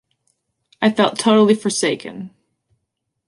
I felt totally forsaken.